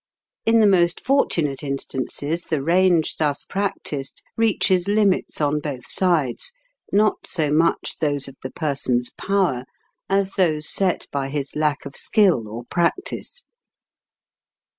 In the most fortunate instances the range thus practised reaches limits on both sides, not so much those of the person's power, as those set by his lack of skill, or practice.